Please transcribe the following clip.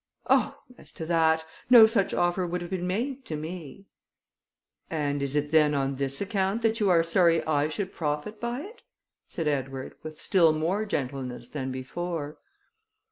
"Oh! as to that, no such offer would have been made to me." "And is it then on this account that you are sorry I should profit by it?" said Edward, with still more gentleness than before.